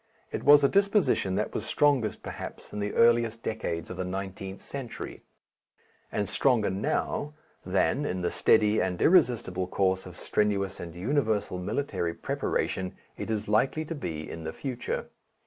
It was a disposition that was strongest perhaps in the earliest decades of the nineteenth century, and stronger now than, in the steady and irresistible course of strenuous and universal military preparation, it is likely to be in the future.